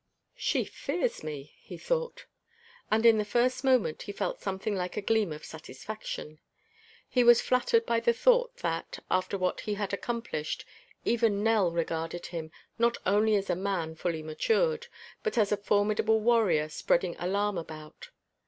"She fears me," he thought. And in the first moment he felt something like a gleam of satisfaction. He was flattered by the thought that, after what he had accomplished, even Nell regarded him not only as a man fully matured, but as a formidable warrior spreading alarm about.